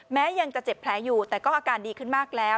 แม้ยังจะเจ็บแผลอยู่แต่ก็อาการดีขึ้นมากแล้ว